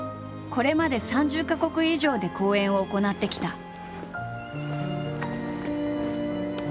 これまで３０か国以上で公演を行ってきた。